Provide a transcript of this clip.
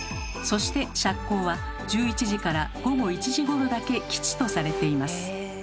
そして「赤口」は１１時から午後１時ごろだけ吉とされています。